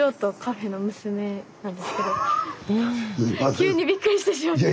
急にびっくりしてしまって。